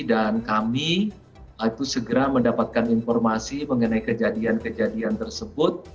dan kami itu segera mendapatkan informasi mengenai kejadian kejadian tersebut